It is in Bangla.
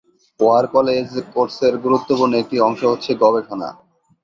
ওয়ার কলেজ কোর্সের গুরুত্বপূর্ণ একটি অংশ হচ্ছে গবেষণা।